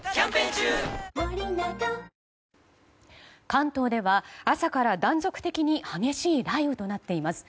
関東では朝から断続的に激しい雷雨となっています。